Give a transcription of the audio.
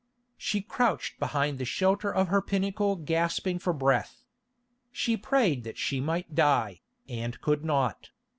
She crouched behind the shelter of her pinnacle gasping for breath. She prayed that she might die, and could not.